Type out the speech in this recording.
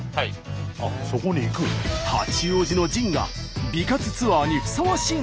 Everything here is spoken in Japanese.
八王子のジンが美活ツアーにふさわしいのか？